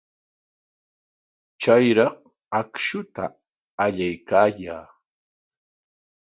Chayraq akshuta allaykaayaa.